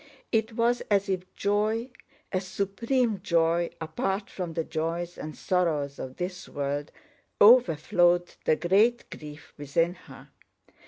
It was as if joy—a supreme joy apart from the joys and sorrows of this world—overflowed the great grief within her.